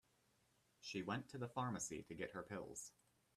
She went to the pharmacy to get her pills.